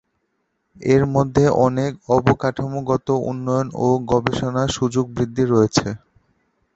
এর মধ্যে অনেক অবকাঠামোগত উন্নয়ন ও গবেষণা সুযোগ বৃদ্ধি রয়েছে।